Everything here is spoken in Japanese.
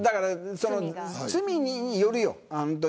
罪によるよ。